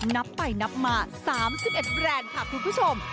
นับไปนับมา๓๑แบรนด์ค่ะคุณผู้ชม